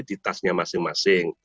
di tasnya masing masing